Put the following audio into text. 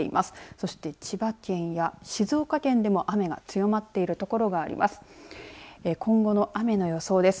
そして千葉県や静岡県でも雨が強まっている所があります。